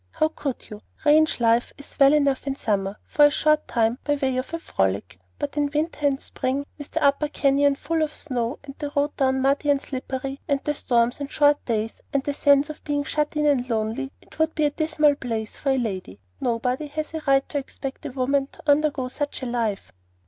How could you? Ranch life is well enough in summer for a short time by way of a frolic; but in winter and spring with the Upper Canyon full of snow, and the road down muddy and slippery, and the storms and short days, and the sense of being shut in and lonely, it would be a dismal place for a lady. Nobody has a right to expect a woman to undergo such a life."